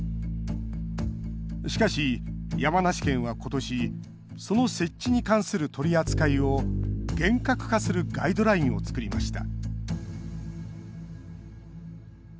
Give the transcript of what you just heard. しかし、山梨県は今年その設置に関する取り扱いを厳格化するガイドラインを作りました